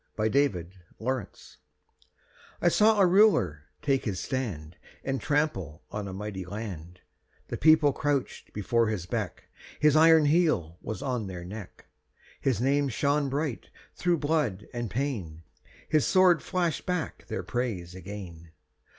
VERSE: THE THREE RULERS I saw a Ruler take his stand And trample on a mighty land; The People crouched before his beck, His iron heel was on their neck, His name shone bright through blood and pain, His sword flashed back their praise again.